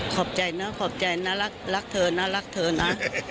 ขอบใจนะขอบใจน่ารักเธอน่ารักเธอนะ